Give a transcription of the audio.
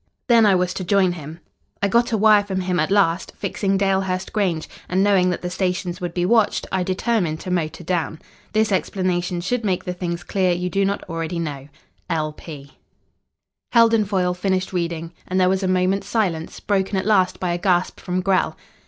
Then I was to join him. I got a wire from him at last fixing Dalehurst Grange, and knowing that the stations would be watched, I determined to motor down. "This explanation should make the things clear you do not already know, L.P." Heldon Foyle finished reading, and there was a moment's silence, broken at last by a gasp from Grell.